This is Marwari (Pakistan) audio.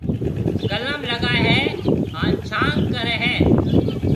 قلم لگائيَ ھيََََ ھان ڇانگ ڪرَي ھيََََ